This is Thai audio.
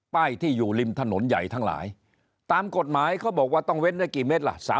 ที่อยู่ริมถนนใหญ่ทั้งหลายตามกฎหมายเขาบอกว่าต้องเว้นได้กี่เมตรล่ะ